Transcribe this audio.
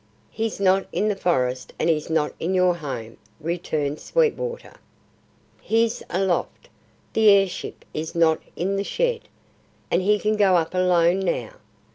"He's not in the forest and he's not in your home," returned Sweetwater. "He's aloft; the air ship is not in the shed. And he can go up alone now."